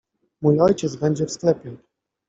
— Mój ojciec będzie w sklepie.